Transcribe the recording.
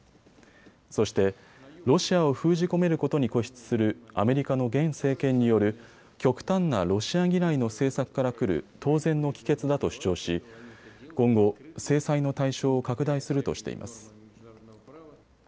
そしてロシアを封じ込めることに固執するアメリカの現政権による極端なロシア嫌いの政策からくる当然の帰結だと主張し、今後、制裁の対象を拡大するとしています。